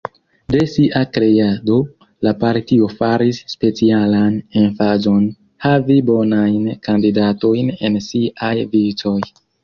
De sia kreado, la partio faris specialan emfazon havi bonajn kandidatojn en siaj vicoj.